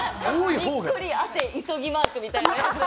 びっくり、汗、急ぎマークみたいな。